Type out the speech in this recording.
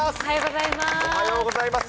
おはようございます。